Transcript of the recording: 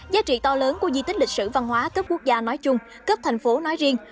giá trị to lớn của di tích lịch sử văn hóa cấp quốc gia nói chung cấp thành phố nói riêng